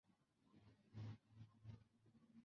通过考古学的方法白令的原像可以重现。